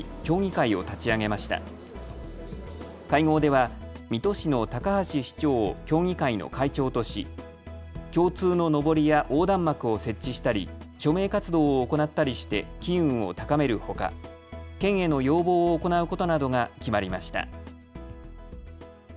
会合では水戸市の高橋市長を協議会の会長とし、共通ののぼりや横断幕を設置したり署名活動を行ったりして機運を高めるほか県への要望を行うことなどが決まりました。